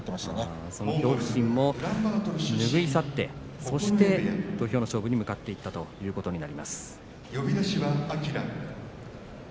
恐怖心を拭い去ってそして土俵の勝負に向かっていったということになります。